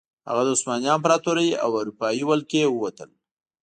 هغه د عثماني امپراتورۍ او اروپايي ولکې ووتل.